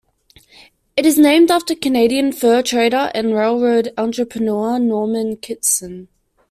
It is named after Canadian fur trader and railroad entrepreneur Norman Kittson.